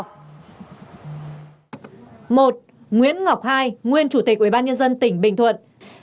một nguyễn ngọc hai nguyên chủ tịch ubnd tỉnh bình thuận